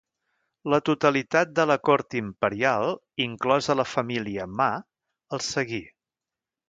La totalitat de la cort imperial, inclosa la família Ma, els seguí.